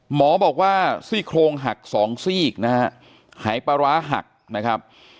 หมอบอกว่าซี่โครงหักสองซีกนะฮะหายปลาร้าหักนะครับ